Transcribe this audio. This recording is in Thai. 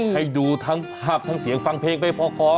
ให้ดูทั้งภาพทั้งเสียงฟังเพลงไม่พอ